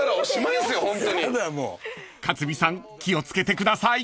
［克実さん気を付けてください］